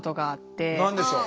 何でしょう？